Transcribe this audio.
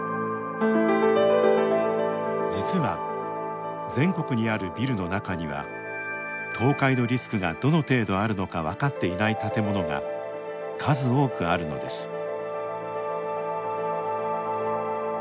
実は、全国にあるビルの中には倒壊のリスクがどの程度あるのか分かっていない建物が数多くあるのです。